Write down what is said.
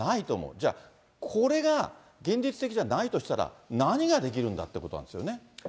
じゃあ、これが現実的じゃないとしたら、何ができるんだっていうことなんですよね。